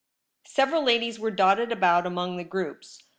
Several ladies were dotted about among: the o groups.